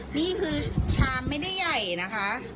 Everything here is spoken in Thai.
นี่คือชามไม่ได้ใหญ่นะคะ